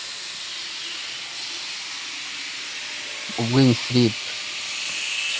Obwiny Philip